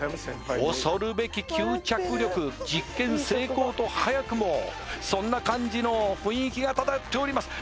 恐るべき吸着力実験成功と早くもそんな感じの雰囲気がただよっております